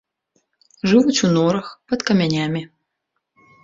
Жывуць у норах, пад камянямі.